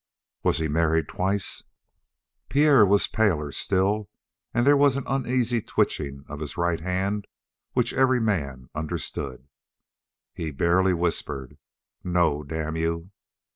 "Was he married twice?" Pierre was paler still, and there was an uneasy twitching of his right hand which every man understood. He barely whispered. "No; damn you!"